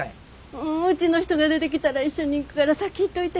うんうちの人が出てきたら一緒に行くから先行っといて。